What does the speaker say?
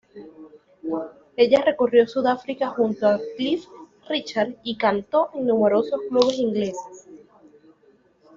Ella recorrió Sudáfrica junto a Cliff Richard y cantó en numerosos clubes ingleses.